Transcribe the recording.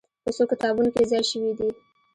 په څو کتابونو کې ځای شوې دي.